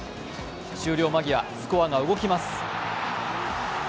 終了間際、スコアが動きます。